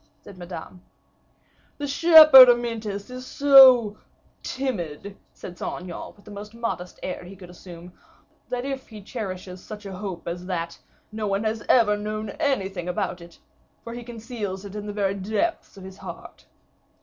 said Madame. "The shepherd Amyntas is so timid," said Saint Aignan, with the most modest air he could assume, "that if he cherishes such a hope as that, no one has ever known anything about it, for he conceals it in the very depths of his heart."